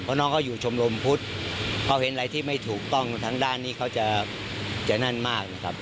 เพราะน้องเขาอยู่ชมรมพุทธเขาเห็นอะไรที่ไม่ถูกต้องทางด้านนี้เขาจะนั่นมากนะครับ